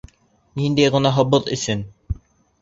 Ниндәй гонаһыбыҙ өсөн?